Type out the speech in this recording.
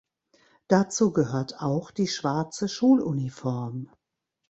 Dazu gehört auch die schwarze Schuluniform.